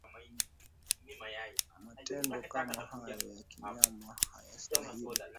matendo kama hayo ya kinyama hayasitahili